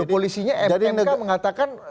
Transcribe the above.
polisinya mmk mengatakan